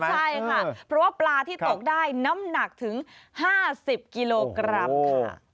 ใช่ค่ะเพราะว่าปลาที่ตกได้น้ำหนักถึง๕๐กิโลกรัมค่ะ